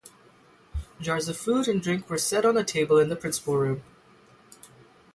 Jars of food and drink were set on a table in the principal room.